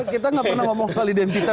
kita tidak pernah bicara tentang identitas